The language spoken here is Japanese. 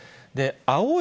青い